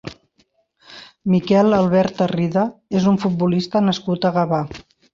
Miquel Albert Tarrida és un futbolista nascut a Gavà.